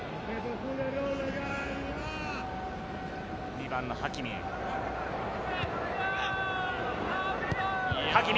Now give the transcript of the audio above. ２番のハキミ。